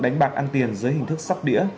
đánh bạc ăn tiền dưới hình thức sắp đĩa